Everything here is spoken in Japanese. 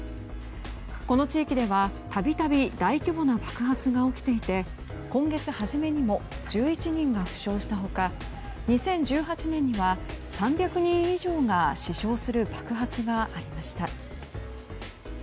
この地域では度々大規模な爆発が起きていて今月初めにも１１人が負傷した他２０１８年には３００人以上が死傷する爆発がありました。